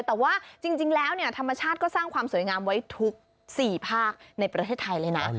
แต่ว่าจริงแล้วธรรมชาติก็สร้างความสวยงามไว้ทุก๔ภาคในประเทศไทยเลยนะ